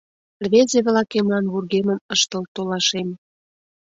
Рвезе-влакемлан вургемым ыштыл толашем.